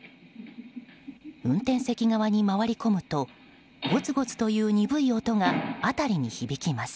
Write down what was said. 運転席側に回り込むとごつごつという鈍い音が辺りに響きます。